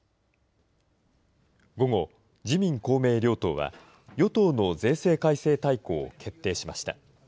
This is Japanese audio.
午後、自民、公明両党は、与党の税制改正大綱を決定しました。